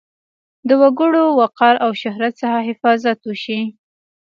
د وګړو وقار او شهرت څخه حفاظت وشي.